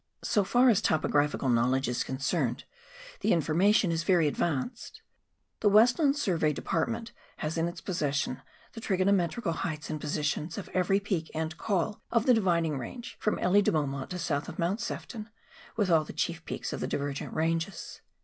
So far as topographical knowledge is concerned, the informa tion is very advanced. The Westland Survey Department has in its possession the trigonometrical heights and positions of ever}' peak and col of the Dividing Range, from Elie de Beau mont to south of Mount Sefton, with all the chief peaks of the divergent ranges.